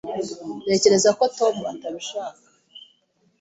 Ntekereza ko Tom atabishaka.